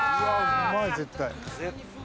うまい、絶対。